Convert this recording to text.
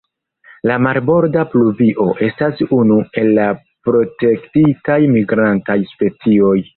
La Marborda pluvio estas unu el la protektitaj migrantaj specioj.